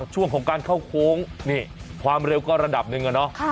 ช่วงของการเข้าโค้งนี่ความเร็วก็ระดับหนึ่งอะเนาะ